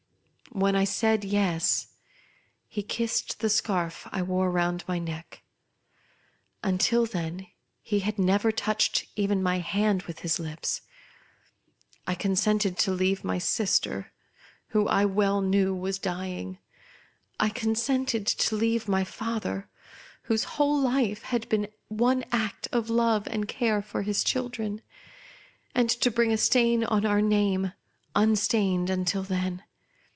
When I said " Yes," he kissed the scarf I wore round my neck. Until then he had never touched even my hand with his lips. I consented to leave my sister, who I well knew was dying; I consented to leave my father, whose whole life had been one act of love and care for his children; and to bring a stain on our name, unstained until then.